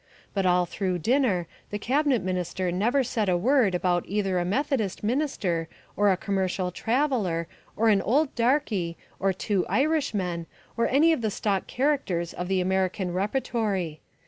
But all through dinner the Cabinet Minister never said a word about either a Methodist minister, or a commercial traveller, or an old darky, or two Irishmen, or any of the stock characters of the American repertory.